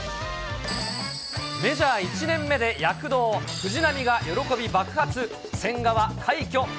メジャー１年目で躍動、藤浪が喜び爆発。